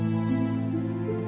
terima kasih dato